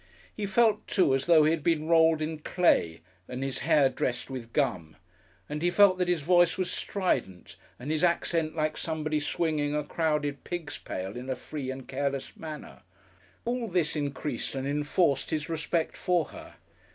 He felt, too, as though he had been rolled in clay and his hair dressed with gum. And he felt that his voice was strident and his accent like somebody swinging a crowded pig's pail in a free and careless manner. All this increased and enforced his respect for her.